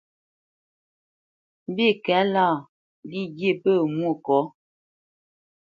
Mbîkɛ̌lâ, lî ghye pə̂ Mwôkɔ̌.